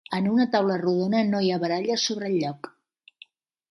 En una taula rodona no hi ha baralles sobre el lloc.